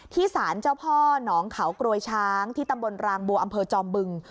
สารเจ้าพ่อหนองเขากรวยช้างที่ตำบลรางบัวอำเภอจอมบึง